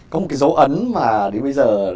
có một cái dấu ấn mà đến bây giờ